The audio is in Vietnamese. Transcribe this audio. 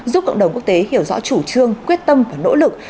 giúp cộng đồng quốc tế hiểu rõ chủ trương quyết tâm và nỗ lực